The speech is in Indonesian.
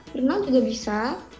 berenang juga bisa